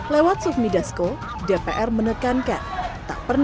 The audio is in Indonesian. lewat sufmi dasko dpr menekankan